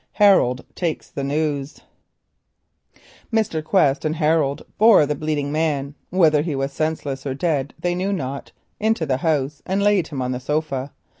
HAROLD TAKES THE NEWS Mr. Quest and Harold bore the bleeding man—whether he was senseless or dead they knew not—into the house and laid him on the sofa.